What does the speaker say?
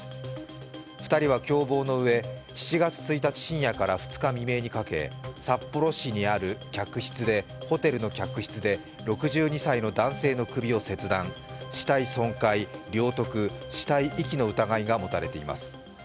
２人は共謀のうえ、７月１日深夜から２日未明にかけ札幌市にあるホテルの客室で６２歳の男性の首を切断、死体損壊、領得、死体遺棄の疑いが持たれています。